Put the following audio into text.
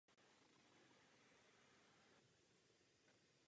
Rada však mlčí.